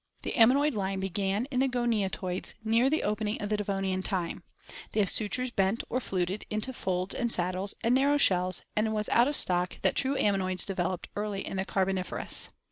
The ammonoid line began in the goniatoids near the opening of Devonian time; they have sutures bent or fluted into folds and saddles, and narrow shells, and it was out of this stock that the true ammonoids developed early in the Carboniferous.